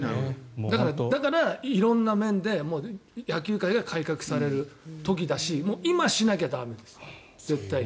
だから、色んな面で野球界が改革される時だし今しなきゃ駄目です、絶対に。